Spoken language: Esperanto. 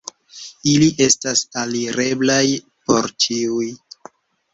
Ili estas alireblaj por ĉiuj.